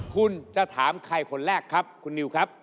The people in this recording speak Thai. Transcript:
คุณจะถามใครคนแรกครับคุณนิวครับ